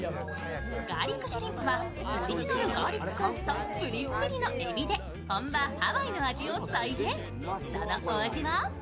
ガーリックシュリンプはオリジナルガーリックソースとプリップリのえびで、本場ハワイの味を再現、そのお味は？